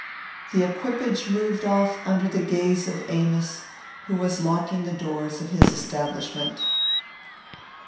The equipage moved off under the gaze of Amos, who was locking the doors of his establishment.